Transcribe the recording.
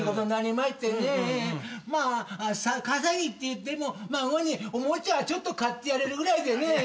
まあ稼ぎっていっても孫におもちゃちょっと買ってやれるぐらいでね。